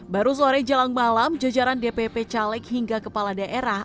baru sore jalan malam jajaran dpp caleg hingga kepala daerah